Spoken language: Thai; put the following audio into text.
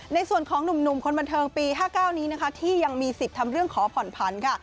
ในส่วนของหนุ่มคนบันเทิงปี๕๙นี้นะคะที่ยังมีสิทธิ์ทำเรื่องขอผ่อนผันค่ะ